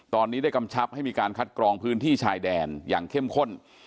ตอนนี้ได้กำชับให้มีการคัดกรองพื้นที่ชายแดนอย่างเข้มข้น